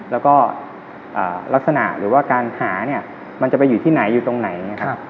แล้วก็ลักษณะหรือว่าการหามันจะไปอยู่ที่ไหนอยู่ตรงไหน